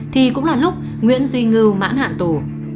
thì cũng là lúc nguyễn duy ngư mãn hạn tù